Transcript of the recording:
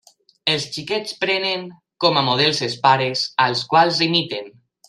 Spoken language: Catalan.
Els xiquets prenen com a models els pares, als quals imiten.